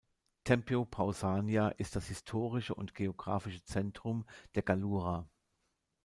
Tempio Pausania ist das historische und geographische Zentrum der Gallura.